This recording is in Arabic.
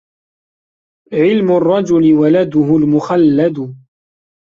عِلْمُ الرجل ولده المخَلَّدُ